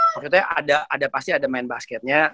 maksudnya ada pasti ada main basketnya